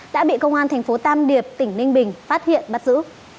đã bị công an tp tam điệp tỉnh ninh bình phát hiện bắt giữ